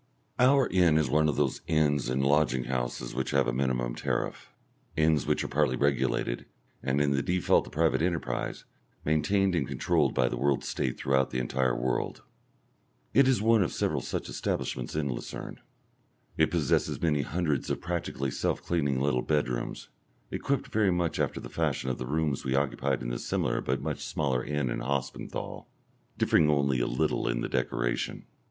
Our inn is one of those inns and lodging houses which have a minimum tariff, inns which are partly regulated, and, in the default of private enterprise, maintained and controlled by the World State throughout the entire world. It is one of several such establishments in Lucerne. It possesses many hundreds of practically self cleaning little bedrooms, equipped very much after the fashion of the rooms we occupied in the similar but much smaller inn at Hospenthal, differing only a little in the decoration.